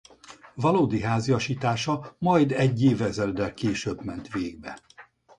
Valódi háziasítása majd egy évezreddel később ment végbe.